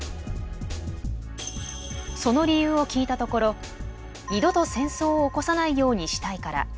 その理由を聞いたところ「二度と戦争を起こさないようにしたいから」